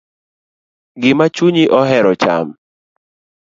Gima chunyi ohero cham.